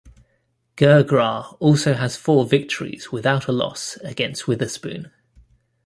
Girgrah also has four victories without a loss against Witherspoon.